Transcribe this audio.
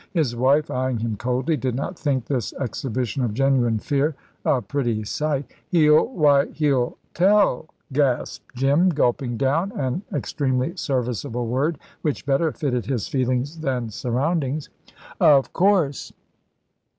His wife, eyeing him coldly, did not think this exhibition of genuine fear a pretty sight. "He'll why, he'll tell," gasped Jim, gulping down an extremely serviceable word, which better fitted his feelings than surroundings. "Of course."